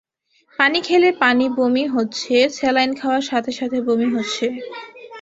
পানি খেলে পানি বমি হচ্ছে, স্যালাইন খাওয়ার সাথে সাথে বমি হচ্ছে।